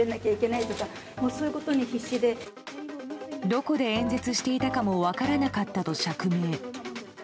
どこで演説していたかも分からなかったと釈明。